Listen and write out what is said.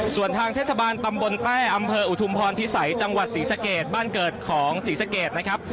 ส่วนทางเทศบาลตำบลแต้อำเภออุทุมพรพิสัยจังหวัดศรีสะเกดบ้านเกิดของศรีสะเกดนะครับ